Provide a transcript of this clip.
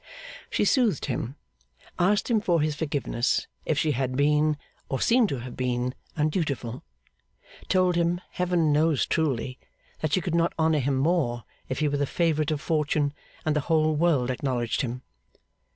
She soothed him; asked him for his forgiveness if she had been, or seemed to have been, undutiful; told him, Heaven knows truly, that she could not honour him more if he were the favourite of Fortune and the whole world acknowledged him.